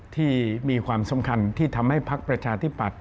ที่มีความสำคัญที่ทำให้พักประชาธิปัตย